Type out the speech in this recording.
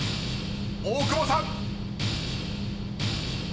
［大久保さん］